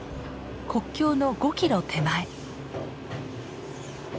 国境の５キロ手前。